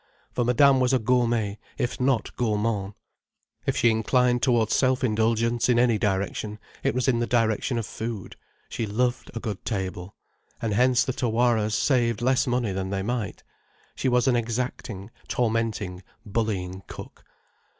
For Madame was a gourmet, if not gourmand. If she inclined towards self indulgence in any direction, it was in the direction of food. She loved a good table. And hence the Tawaras saved less money than they might. She was an exacting, tormenting, bullying cook.